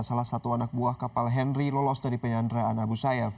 salah satu anak buah kapal henry lolos dari penyanderaan abu sayyaf